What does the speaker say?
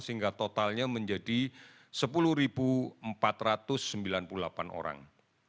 sehingga totalnya menjadi sepuluh empat ratus sembilan puluh delapan orang